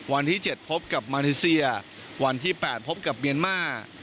วันที่๗พบกับมาเลเซียวันที่๘พบกับเมียนมาร์